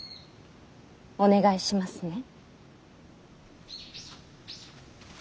お願いしますね。